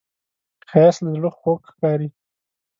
ښایست له زړه خوږ ښکاري